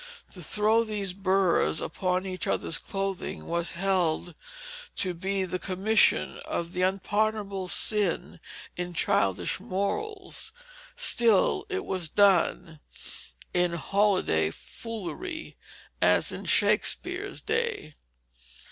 To throw these burs upon each other's clothing was held to be the commission of the unpardonable sin in childish morals; still it was done "in holiday foolery," as in Shakespeare's day.